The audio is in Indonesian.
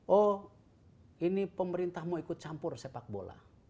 oh ini pemerintah mau ikut campur sepak bola